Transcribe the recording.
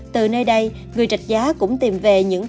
từ nơi đây người trạch giá cũng tìm về những